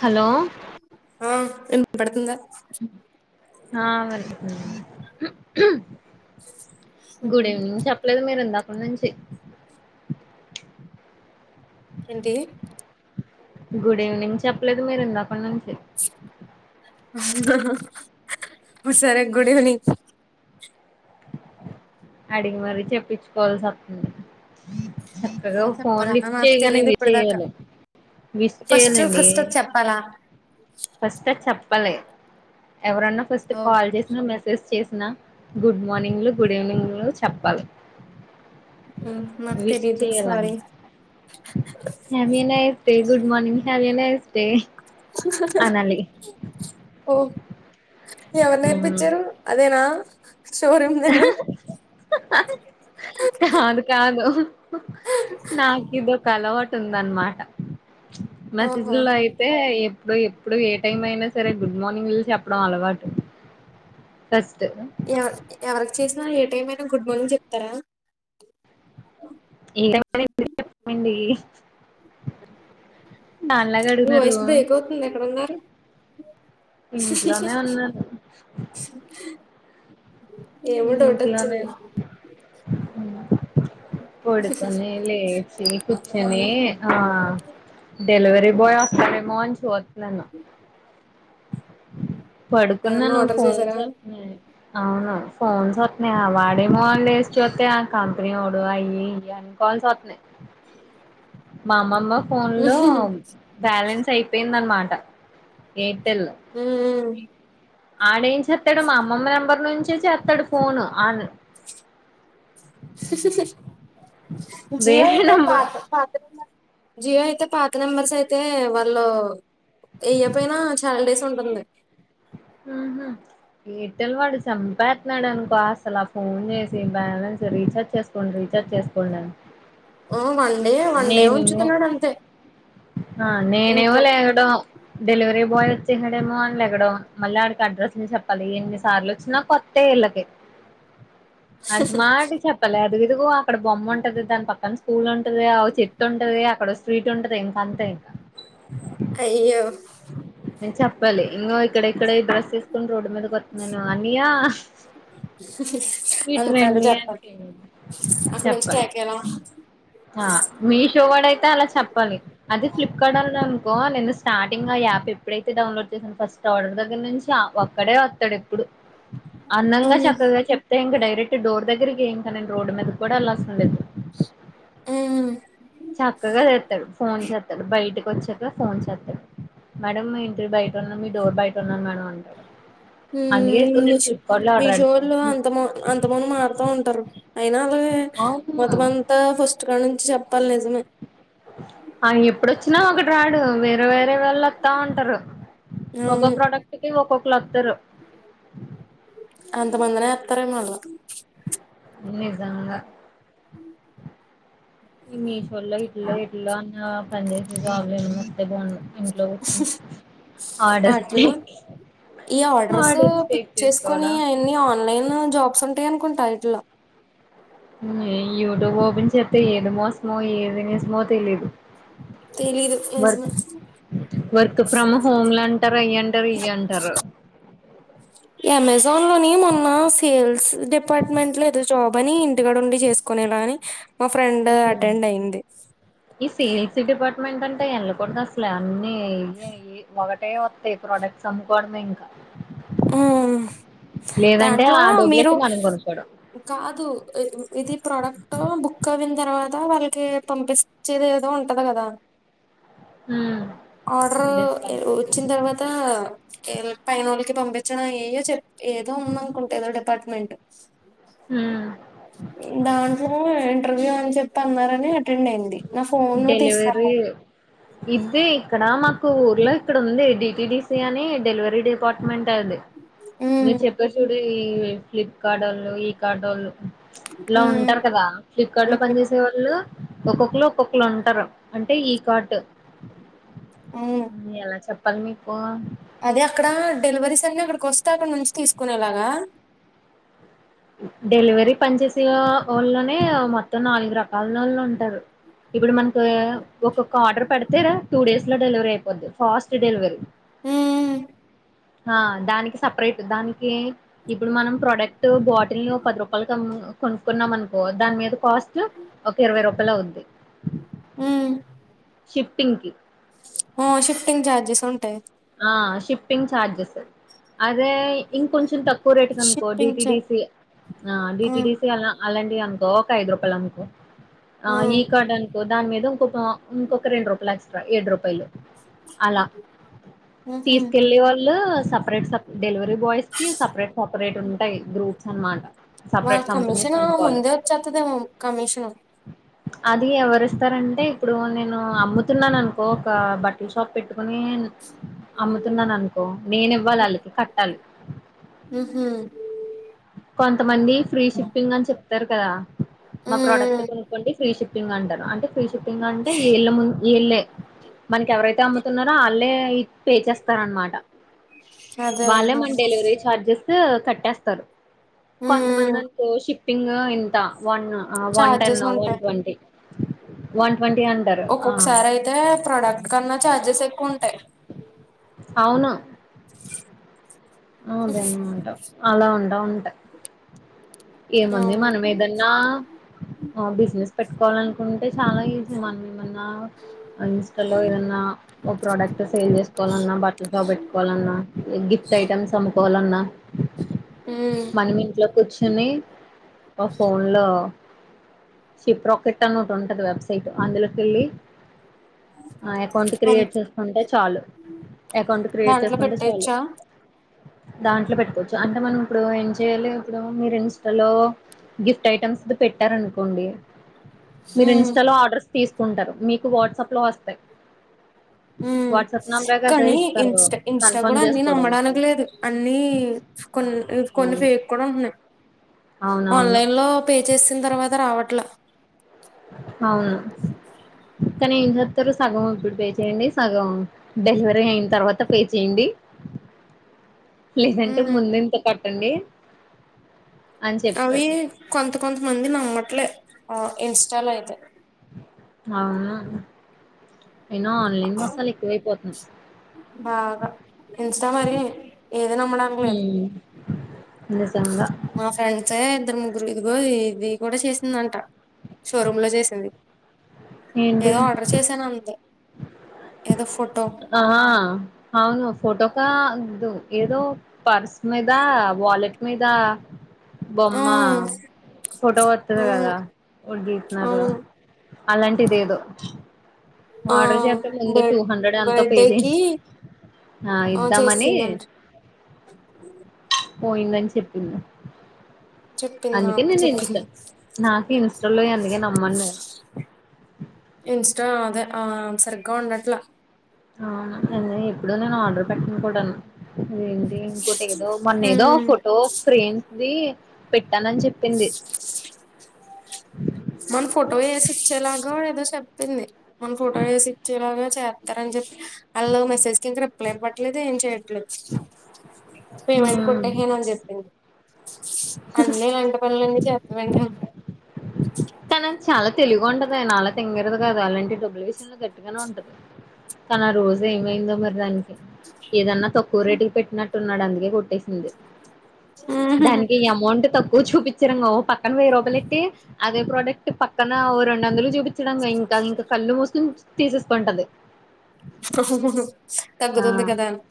Hello ఆ విన్పడుతుందా ఆ వినపడుతుంది ఉ ఊ హు ఏమేమ్ చెప్పలేదు మీరు ఇందాక నుంచి ఏంటీ గుడీవినింగ్ చెప్పలేదు మీరు ఇందాకన్నుంచి సరే గుడీవినింగ్ అడిగి మరీ చెప్పిచ్చుకోవాల్సి వత్తుంది చక్కగా ఫోన్ చెప్పాలా నాకు లిఫ్ట్చేయగనే తెలియదు ఇప్పుడు దాకా మెసేజులు మిస్ చేయనండీ పరా ఫస్టే చెప్పలే ఎవరన్న ఫస్ట్ ఓ కాల్ చేసినా మెసేజ్ చేసినా గుడ్ మార్నింగులు గుడ్ ఈవినింగ్లు చెప్పాలి ఉ నాకు తెలీదు sorry have a nice day good morning, have a nice day. ఓ ఎవర్ నేర్పించ్చారు అదేనా షోరూమ్ లాల్లో కాదు కాదు, నాక్ ఇదోక అలవాటు ఉందన్నమాట. ఓహో మెసేజ్లో అయి తే ఎప్పుడు, ఎప్పుడు ఏ టైం అయినా సరే గుడ్ మార్నింగ్ జూసి చెప్పడం అలవాటు. ఫస్ట్ దా ఎవ, ఎవరికి చేసినా ఏ టైం అయినా గుడ్ మార్నింగ్ చెప్తారా. [unintelligible] చెప్పింది నీవాయిసు బ్రేక్ అవుతుంది ఎక్కడున్నారు. ఇంట్లోనే ఉన్నాను. [unintelligible] ఏమో డౌట్ ఇంట్లోనే ఒచ్చింది. పడుకోని, లేచి, కుచోని ఆ డెలివరీ బాయ్ ఒస్తాడేమో అని చూత్తున్నాను. పడుకున్నా ఎవరన్నా నువ్ ఆర్డర్ ఫోన్ చేసారా చెత్తేనే ఫోన్స్ అస్తున్నాయి [unintelligible] ఏమో అని లేసి చూత్తే ఆ కంపెనీ ఒడు అయ్యి, ఇయ్యి అని కాల్స్ ఒస్తున్నాయి. మా అమ్మమ్మ ఫోన్ లో బ్యాలెన్స్ అయిపోయిందనమాట ఎయిర్టెల్. ఉమ్మ్ ఆడేఏం చేత్తడు మా అమ్మమ్మ నెంబర్ నుంచే చేత్తడు ఫోను, ఆన్ జీయో వేరే అయితే నంబర్ పాత్ జియో అయితే పాత నెంబర్స్ అయితే వాళ్ళు, ఎయ్యపోయినా చాలా డేస్ ఉంటుంది. ఉహు ఎయిర్టెల్ వాడు సంపేతున్నాడు అనుకో, అసలు ఆ ఫోన్ జేసి, బ్యాలెన్స్ రీచార్జ్ చేస్ ఫోను రీచార్జ్ చేసుకోండ్ అన్ ఓ వన్డే, వన్డే నేనేమో ఉంచుతున్నడంతే. ఆ నేనేమో లేగడం డెలివరీ బాయ్ వచ్చేసాడేమో అనీ లేగడం, మళ్ళీ ఆడికి అడ్రస్ [unintelligible] చెప్పాలి. ఎన్నిసార్లు వచ్చినా కొత్ త్తె ఇళ్ళకైత్ అంత మాటిక్ చెప్ ప్పాలి, అదిగిదుగో అక్కడ బొమ్మ ఉంటది, దాని పక్కన స్కూల్ ఉంటది, ఆ చెట్టు ఉంటది, అక్కడ స్ట్రీట్ ఉంటది ఇంకా అంత్ తేగా కయ్యో నేన్ చెప్పాలి, ఇంగో ఇక్కడెక్కడే డ్రాస్ తీసుకుని రోడ్డు మీదకి ఒత్తున్నాను అనియ్య మీటు అంతలా రండి చెప్పాలి [unintelligible] అక్కడ నుంచి చెప్పాలే కేకేయడం ఆ మీషో వాడైతే అలా చెప్పాలి. అది ఫ్లిప్కార్ట్ అళ్ళు అనుకో, నేను స్టార్టింగ్ ఆ యాప్ ఎప్పుడైతే డౌన్లోడ్ చేశాను ఫస్ తోడర్ దగ్గర నుంచి ఆ ఒక్కడే ఒత్తడు ఎప్పుడు, అందంగా మ్మ్ చక్కగా చెప్ తే ఇంగ డైరెక్ట్ డోర్ దగ్గరకే, ఇంకా నేన్ రోడ్ మీద అలాసిన మ్మ్ చక్కగా చేస్తాడు ఫోన్ చేస్తాడు బయ బయటకి వచ్చాక ఫోన్ చేస్త మేడం మీ ఇంటి బయట ఉన్నా మీ డోర్ బయట ఉన్నాను మేడం అంటారు [unintelligible] లో ఆర్డర్ మేషోలో పెడతాను అంత మ అంతమంది మారుతా ఉంటారు అయినా అది మొత్తమం అవును అంత ఫస్ట్ నుంచి చెప్పాలి నిజమే ఆ ఎప్పుడుచ్చిన ఒకటి రాడు వేరే వేరే వాళ్ళు వత్త ఉంటారు మొగ అవును ప్రోడక్ట్ కి ఒక్కొక్క వతరు అంతమందిన అత్రే మళ్ళం నిజంగ మీషోర్ లో ఇట్లో ఇట్ల అన్న పని చేసి బాగలేను మస్తే బాగున్నాది ఇంట్లో వచ్చి ఆడస్తే ఆటిల్లో [unintelligible] ఈ ఆర్డర్స్ పిక్ చేసుకుని చేసుకోవడం అన్ని ఆన్లైన్ జాబ్స్ ఉంటాయి అనుకుంట ఇట్లో ఈ యూట్యూబ్ ఓపన్ [unintelligible] ఏది మోసమో ఏది నిజమో తెలిదు [unintelligible] వర్క్ నిజమే వర్క్ ఫ్రమ్ హోమ్ అంటారు అయ అంటారు ఇయ అంటారు [unintelligible] అమెజాన్ లోని మొన్న సేల్స్ డిపార్ట్మెంట్ లో ఏదో జాబ్ అని ఇంటికడ ఉండి చేస్ [unintelligible] మా ఫ్రెండ్ అటెండ్ అయింది ఈ సేల్స్ డిపార్ట్మెంట్ అంటే వెళ్ళకూడదు అసల అన్నీ [unintelligible] అవే వత్తయ్ ప్రోడక్ట్స్ అమ్ముకోవడమే ఇంకా ఉమ్. లేదంటే దాంట్లో ఆ మీరు డొబ్లెట్ మనం కొనుక్కోడం కాదు ఇది ప్రోడక్ట్ బుక్ అయిన తర్వాత వాళ్ళకి పంపిస్ వచ్చేదే ఏదో ఉంటది కదా ఉమ్ ఆర్డర్ డిస్పాచ్ వచ్చిన చేసేది తర్వ త పైనో [unintelligible] పంపించడం ఏయో చె ఏదో ఉంద అనుకుంట ఏదో డిపార్ట్మెంట్ హు దాంట్లో ఇంటర్వ్యూ అని చెప్పి అన్నారని అటెండ్ అయింది నా ఫోన్ తీసుకో డెలివరీ ఇది ఇక్కడ మాకు ఊర్లో ఇక్కడ ఉంది డిటిడడిసి అని డెలివరీ డిపా మంటది ఉమ్, మీరు చెప్పే చూడి ఈ ఫ్లిప్కార్ట్ వాళ్ళు ఈ కార్ట్ వాళ్ళు ఇలా ఉమ్, ఉంటారు కదా ఫ్లిప్కార్ట్ లో ఉమ్, పని చేేసే ఒళ్ళు ఒక్కొక్కరు ఒక్కొక్కళ ఉంటారు అంటే ఈ కార్ట్ ఉమ్. ఎలా చెప్ లి మీకు అదే అక్కడ డెలివరీస్ అన్ని అక్కడికి వస్తే అక్కడ నుంచి తీసుకునేలాగ డెలివరీ పనిచేసే వాళ్ల్లోనే మొ నాలుగు రకాలళు ఉంటారు ఇప్పుడు మనకు ఒక్కొక్క ఆర్డర్ పెడితేరా టూ డేస్ [unintelligible] డెలివరీ అయిపో [unintelligible] పాస్ట్ డెలివరీ ఉ హ దానికి సపరేట్ దానికి ఇప్పుడు మనం ప్రోడక్ట్ [unintelligible] పది రూపయలకు కొనుక్కున్నాం అనుకో దాని మీద కాస్ట్ ఒక ఇరవై రూపాయలు అవ్వుది ఉ షిఫ్టింగ్కి షిఫ్టింగ్ చార్జెస్ ఉంటాయి ఆషిఫ్టింగ్ చార్జెస్ అదే ఇంకొంచెం తక్కువ రేటు కనుకో షిఫ్టింగ్ ఛార్జ్ డిటిడిసి ఆ డిటిడిసి అలా అలాంటియి అనుకో ఒక ఐదు రూపాయలు అనుకో ఈ కార్డ్ అనుకో దాని మీద ఇంకోక ఇంకొక రెండు రూపాయలు ఎక్స్ట్రా ఏడు రూపాయలు అలా తీసుకెళ్ళేవాళ్ళు స సపరేట్ స డెలివరీ బాయ్స్కి సపరేట్ సపరేట్ ఉంటాయి గ్రూప్స్ అన్మాట వాళ్ళ కమిషన్ ముందే వచ్చేతదేమో కమిషన్ అది ఎవరిస్తారంటే ఇప్పుడు నేను అమ్ముతున్నాను అనుకో ఒక బట్టలు షాప్ పెట్టుకుని అమ్ముతున్నాను అనుకో నేను ఇవ్వాలి ఆళ్ళకి కట్టాలి. ఊ ఉ కొంతమంది ఫ్రీ షిప్పింగ్ అని చెప్తారు కదా మా ప్రోడక్ట్ కొనుక్కోండి ఫ్రీ షిప్ ఇగ అంటరు అంటే ఫ్రీ షుటింగ్ అంటే ఈళ్ళ ముందు ఈళ్ళే మనకి ఎవరై అమ్ముతున్నారో ఆళ్ళే పే చేస్తార అన్మాట అదే వాళ్ళే మన డెలివరీ చార్జెస్ కట్టేస్తారు కొంతమంది అంటే షిప్పింగ్ ఇంత one one ten charges one ఉంటాయి ట్వంటీ వన్ ట్వంటి వన్ ఒక్కొక్కసారి అయితే ప్రొడక్ట్ కన్నా చార్జెస్ ఎక్కువ ఉంటాయి. అవునా! అదేం ఉంటవు అలా ఉండవు అంటా ఏముంది మనం అవును ఏదన్నా! బిజినెస్ పెట్టుకోవాలనుకుంటే చాలా ఈజీ మనకు ఏమన్నా ఇన్స్టలో ఏదన్నా! ఓ ప్రోడక్ట్ సేల్ చేసుకోవాలన్నా బట్టల షాప్ బేట్టుకోవాలన్నా గిఫ్ట్ ఐటమ్స్ అమ్ము పోవాలన్న మనము ఇంట్లోకోచ్చి నీ పో ఫోన్ లో షిప్ రాకెట్ అని ఓటి ఉంటది వెబ్సైట్ అందులోకెళ్ళి ఆ ఎకౌంట్ ఉమ్ క్రియేట్ చేసుకుంటే చాలు ఎకౌంట్ క్రియేట్ దాంట్లో చేసుకుంటే చాలు పెట్టేయచ్చా దాంట్లో పెట్టుకోవచ్చు అంటే మనం ఇప్పుడు ఏం చెయ్యాలెంగదా మీరు ఇంస్టాలో గిఫ్ట్ ఐటమ్స్ పెట్టారనుకోండి మీరు ఉమ్ ఇన్స్టాలో ఆర్డర్స్ తీసుకుంటారు మీకు వాట్సాప్ లో వోస్తాయి ఉ కనీ ఇస్తారు ఇన్స్టా ఇన్స్టా గూడ కన్ఫర్మ్ అన్ని చేసుకోవడానికి నమ్మడానికి లేదు అన్ని కొన్ కొన్ని అవును ఫేక్ కూడ ఉన్నయి అవునవును ఆన్లైన్ లో పే చేసిన తర్వాత రావట్లా అవును కానీ ఏం చేస్తారు సగం ఇప్పుడు పే చేయండి సగం డెలివరీ అయిన తర్వాత పే చేయండీ. లేదంటే ఉమ్ ముందే ఇంత కట్టండి అని అవి చెప్తారు కొంత కొంత మంది నమ్మట్లే ఆ ఇన్స్టాలో అయితే అవునా ఇనో ఆన్లైన్ మసాల ఎక్కువై పోతుంది బాగా ఇన్స్టా మరి ఏది నమ్మడానికి లేదు హ్మ్ నిజంగా మా ఫ్రెండ్సే ఇద్దరు ముగ్గురు ఇదిగో ఇది కూడా చేసిందంట షోరూమ్ లో జేసింది. ఏదో ఏంటి ఆర్డర్ చేశాను అంతే ఏదో ఫోటో ఆహా అవును ఫోటోకా వద్దు ఏదో పర్స్ మీద వాలెట్ మీద ఆ బొమ్మ ఫోటో ఆ వత్తది కదా ఒదీతన్నారు అవును అలాంటిదేదో ఆ ఆర్డర్ చేత్తే ముందే టూ బర్ హండ్రెడో ఎంతో పే బర్త్డేకి చేసి ఆ ఇద్దామనీ పోయిందని చెప్పింది చెప్పింది అందుకే నాకు నేను చెప్పింది ఇన్స్టా నాకు ఇన్స్టాలోయి అందుకే నమ్మను నేను ఇన్స్టా అదే ఆ సరిగ్గా ఉండట్లా అవును నేను ఎప్పుడు నేను ఆర్డర్ పెట్టను కూడాను అదేంటి ఇంకోటి ఏదో మొన్న ఏదో ఉమ్. ఫోటో ఫ్రేమ్ది పెట్టానని చెప్పి మన ఫోటో యేసి ఇచ్చేలాగా ఏదో చెప్పింది మన ఫోటో యేసి ఇచ్చేలాగా చేత్తారని చెప్పి వాళ్ళు మెసేజ్ కి ఇంకా రిప్లై ఇవ్వట్లేదు ఏం చేయట్లేదు పేమెంట్ హ్మ్ కొట్టెసాను అన్ని చెప్పింది అన్నీ ఇలాంటి పనులన్ని చేస్తాదంట తనూ చాలా తెలివిగా ఉంటదే నాలా తింగరది కాదు అలాంటి డబ్బుల విషయంలో గట్టిగానే ఉంటది కానీ ఆ రోజు ఏమైందో మరి దానికి ఏదన్నా తక్కువ రేటుకి పెట్టినట్టున్నాడు అందుకే కొట్టేసింది దానికి ఎమౌంట్ తక్కువ చూపిచ్చారుంగ ఓ పక్కన వెయ్యి రూపాయలు ఎట్టి అదే ప్రోడక్ట్ పక్కన ఓ రెండు వందలుకి చూపించాడు అనుకో ఇంకా ఇంకా కళ్ళు మూసుకని తీసేసుకుంటది ఆ తగ్గుతుంది కదా అని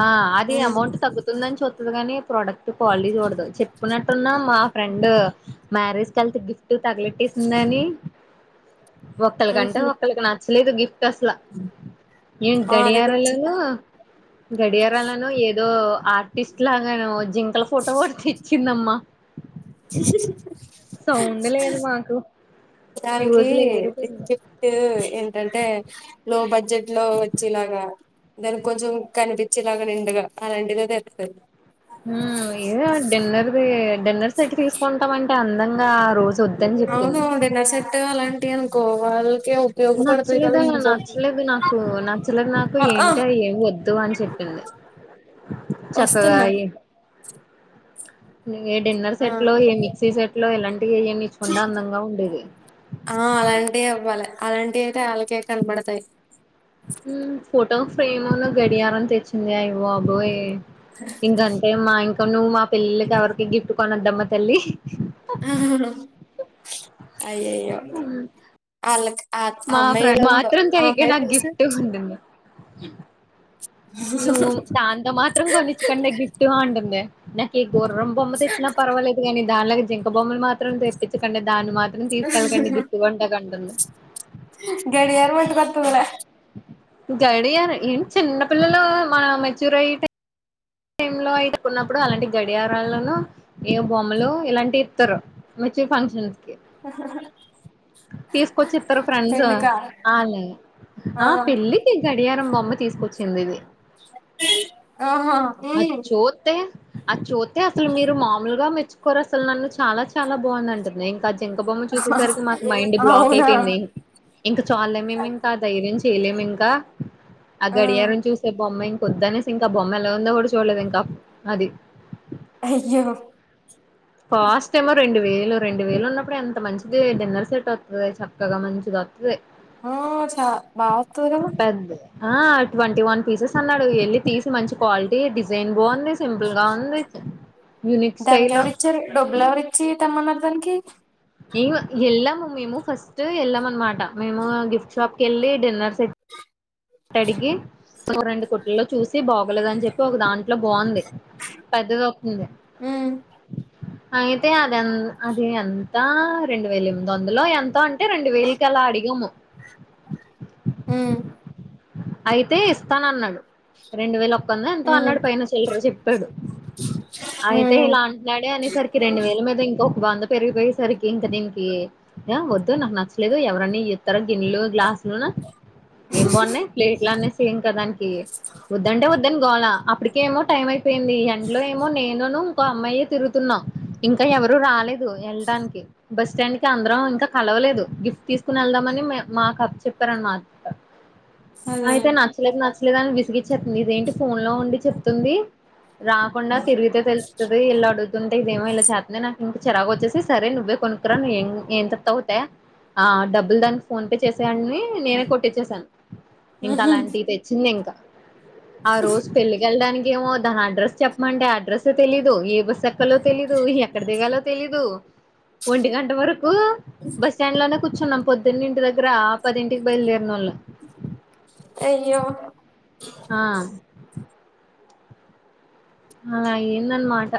ఆ అది ఎమౌంట్ తగ్గుతు తుందని చూత్తది కాని ప్రోడక్ట్ క్వాలిటీ చూడదు చెప్పినట్టున్న మా ఫ్రెండ్ మ్యారేజ్‌ కెల్తే గిఫ్ట్ టూ తగిలెట్టేసిందని ఒకళకంటే ఉహు ఒకళకి నచ్చలేదు గిఫ్ట్ అసలా ఎం ఆ అదే గడియారంలోను గడియారంలోను ఏదో ఆర్ట్ టిస్లాగాను జింకల ఫోటో ఒకటి తేచ్చిందమ్మా తెచ్చిందా మాకు దానికి ఫ్యూజులు ఎగిరిపోయింది ఏంటంటే లో బడ్జెట్ లో వచ్చెలాగా దానికి కొంచెం కనిపిచెలాగా నిండుగా అలాంటిదే తెత్తది హ్మ్ ఏదో డిన్నర్ది డిన్నర్ సెట్ తీసుకుంటాం అంటే అందంగా రోజు వద్దని అవును చెప్పింది డిన్నర్ సెట్టు అలాంటియి అనుకో వాళ్ళ నచ్చలేదు అలా నచ్చలేదు నాకు నచ్చలేదు నాకు ఆ ఆ ఏంటి అది ఏమి వద్దు అని చెప్పింది చక్కగా వస్తున్నా ఏ డిన్నర్ ఆ సెట్ లో ఏ మిక్సీ సెట్ ట్లో ఇలాంటివి ఏయన్నా ఇచ్చుకుంటే అందంగా ఉండేది ఆ అలాంటియే అవ్వాలి అలాంటి అయితే ఆళ్ళకే కనపడతాయి ఫోటో ఫ్రేము అన్ను గడియారం తెచ్చింది అయ్య బాబోయ్ ఇంకంటే మా ఇంక నువ్వు మా పెల్లిలకి ఎవరికి గిఫ్ట్ కొనొద్దమ్మా తల్లి అయ్యయ్యో హ్మ్. అళ్ళకి మా ఫ్రండ్ మాత్రం తేకే నాకు ఫేస్ గిఫ్ట్ అంటుంది నువ్వు దాంతో మాత్రం కొనిచ్చకండే గిఫ్ట్ అంటుంది నాకు ఈ గుర్రం బొమ్మ తెచ్చినా పర్వాలేదు కాని దానిలాగా జింక బొమ్మలు మాత్రం తెప్పించకండి దాన్ని మాత్రం తీసుకెళ్కండి గిఫ్ట్ కొంటాకి అంటుంది గడియారం అట్టు కొత్తందే గడియార ఎన్ చిన్నా పిల్లలూ మా మెచ్యూరై టేమ్ లో అయినప్పుడు నప్పుడు అలాంటి గడియారాలను ఏ బోమ్లు ఇలాంటివి ఇత్తరు వచ్చే ఫంక్షన్ తీస్కొచ్చి ఇత్తరూ ఫ్రెండ్సు పెళ్లికా ఆలే ఆ పెళ్ళి గడియారం బొమ్మ తీస్కొచ్చింది ఇది ఆహా అది ఉమ్. చోతే అది చోతే అసలు మీరు మాముల్గ మెచ్చు కోరు అసల్ నన్ను చాలా చాలా బావుంది అంటుంది ఇంకా జింక బొమ్మ చూసేసరికి మాకు మైండ్ బ్లాక్ అవునా అయిపోయింది. ఇంకా చాల్ లే మేం ఇంకా ఆ ధైర్యం చేయలేము ఇంకా ఆ గడియారం చూస్తే బొమ్మ ఇంకొదు అనేసి ఇంకా బొమ్మ ఎలా ఉందో గూడా చూడ్లేదు ఇంకా. అది అయ్యోలో కాస్ట్ ఏమో రెండు వేలు రెండు వేలు ఉన్నప్పుడు ఎంత మంచిదీ డిన్నర్ సెట్ ఓస్తాది చక్కగా మంచిది పె ఆ చ బా వత్తది కదా పదే ఆ ట్వంటీ వన్ పీసెస్ అన్నాడు ఎళ్ళి తీసి మంచి క్వాలిటీ డిజైన్ బావుంది సింపుల్ గా ఉంది యూనిక్ స్టైలు త్ డబ్బులేవ్రీ చి తెమ్మనతంకీ ఎవ ఎళ్లామా మేము ఫస్టు ఎళ్ళాం అన్నమాట మేమూ ఆ గిఫ్ట్ షాప్ కెళ్ళి డిన్నర్ సెట్ కడిగి ఓ రోండు కుట్లల్లో చూసి బాగోలేదని జెప్పి ఒక దాంట్లో బావుంది పద్దది ఒతుంది ఉమ్ అయితే అది ఆన్ అదీ ఎంతా రెండు వేల ఎమ్దందాలో ఎంతో అంటే రెండు వేలు కళ అడిగము ఉ అయితే ఇస్తానన్నాడు రెండు వేల ఒక్కందో ఎంతో ఉమ్ అన్నాడు పైన చిల్లడ్రూ చెప్పాడు అయితే ఉమ్ ఇలా అంట్నాడే అనేసరికి రెండు వేల మీద ఇంకొ ఒక వంద పెరిగిపోయేసరికి ఇంకా దీనికి యా వోద్దు నాక్ నచ్లేదూ ఎవరన్న యీ తర గిన్నెలు గ్లాస్లునూ ఏం బావున్నాయి ప్లేట్లు అనిసీ ఇంకా దాని కి వోద్దంటే వోద్దని గోళా అప్పీడికే ఏమో టైం అయిపోయింది ఎండ్లో ఏమో నేను ను ఇంకో అమ్మాయి తిరుతున్నాం ఇంకా ఎవరు రాలేదు ఎల్డానికి బస్ స్టాండ్ కి అంద్రాం ఇంకా కలవలేదు గిఫ్ట్ తీస్కుని ఎళ్దామని మే మాక్ అప్పచెప్పర్ మా అదేలే పిల్లక్ నచ్చలేదు అని విసిగించేత్నది ఇదేంటి ఫోన్ లో ఉండి చెప్తుంది రాకుండా తిరుగితే తెల్తదీ ఇలా అడుతుంది ఇదేమో ఇలా చేత్నది నాకు ఇంక చిరాకు ఒచ్చేసి సరే నువ్వే కొనుక్కు రా ను ఎన్ తెతవో త్యా ఆ డబ్బులు దానికి ఫోన్ పే చేసేయాన్నీ నేనే కొటించేసాను ఇంకా ఉహు, అలాంటీ తెచ్చింది ఇంకా ఆ రోజు పెళ్లికి ఎళ్ళడన్ ఏమో దా అడ్రస్ చెప్పమంటే ఆ అడ్రస్ తెలీయదు ఏ బస్ తేక్కాలో తెలీదు ఎక్కడ దిగాలో తెలీదూ ఒంటి గంట వరకూ బస్ స్టాండ్ లోనే కూచూన్నాం పొద్దున్న ఇంటి దగ్గర ఆ పదింటికి బైల్దేరినోళం అయ్యో ఆ అలా అయ్యిందన మాట.